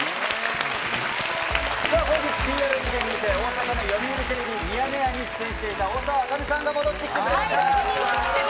さあ、本日ＰＲ駅伝にて大阪、読売テレビ、ミヤネ屋に出演していた大沢あかねさんが戻ってきてくれました。